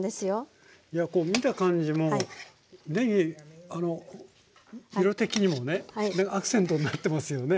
いやこう見た感じもねぎ色的にもねアクセントになってますよね。